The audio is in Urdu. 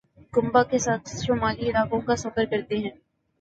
کنبہ کے ساتھ شمالی علاقوں کا سفر کرتے ہیں